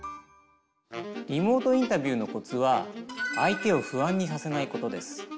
リモートインタビューのコツは相手を不安にさせないことです。